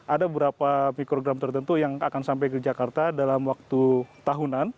ada beberapa mikrogram tertentu yang akan sampai ke jakarta dalam waktu tahunan